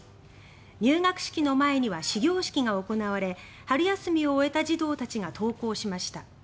入学式の前には始業式が行われ春休みを終えた児童たちが登校しました。